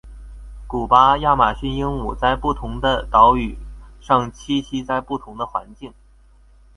古巴亚马逊鹦鹉在不同的岛屿上栖息在不同的环境。